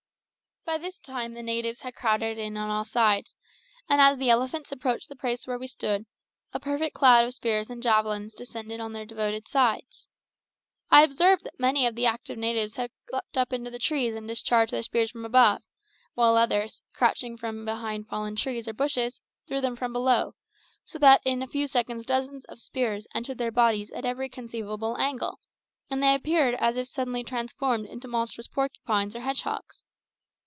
By this time the negroes had crowded in from all sides, and as the elephants approached the place where we stood, a perfect cloud of spears and javelins descended on their devoted sides. I observed that many of the active natives had leaped up into the trees and discharged their spears from above, while others, crouching behind fallen trees or bushes, threw them from below, so that in a few seconds dozens of spears entered their bodies at every conceivable angle, and they appeared as if suddenly transformed into monstrous porcupines or hedgehogs.